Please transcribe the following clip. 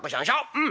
うん！